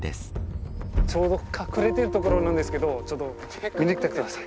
ちょうど隠れてる所なんですけどちょっと見に来てください。